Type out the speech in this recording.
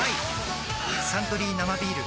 「サントリー生ビール」